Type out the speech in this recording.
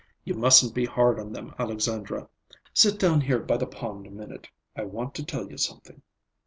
You mustn't be hard on them, Alexandra. Sit down here by the pond a minute. I want to tell you something."